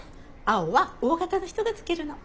青はＯ型の人が着けるの。